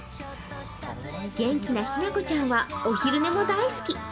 元気なひな子ちゃんはお昼寝も大好き。